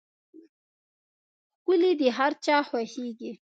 ښکلي د هر چا خوښېږي.